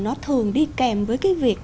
nó thường đi kèm với cái việc